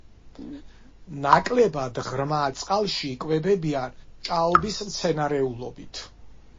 ნაკლებად ღრმა წყალში იკვებებიან ჭაობის მცენარეულობით.